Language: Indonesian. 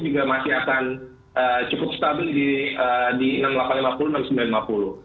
cukup stabil di enam ribu delapan ratus lima puluh enam ribu sembilan ratus lima puluh